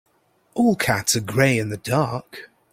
All cats are grey in the dark.